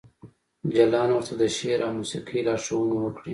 جلان ورته د شعر او موسیقۍ لارښوونې وکړې